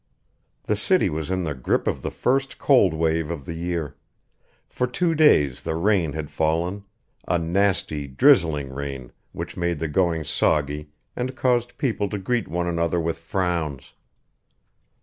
The city was in the grip of the first cold wave of the year. For two days the rain had fallen a nasty, drizzling rain which made the going soggy and caused people to greet one another with frowns.